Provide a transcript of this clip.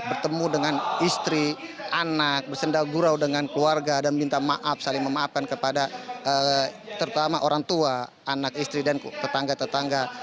bertemu dengan istri anak bersendagurau dengan keluarga dan minta maaf saling memaafkan kepada terutama orang tua anak istri dan tetangga tetangga